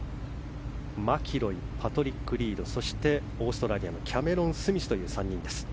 マキロイ、パトリック・リードオーストラリアのキャメロン・スミスという３人。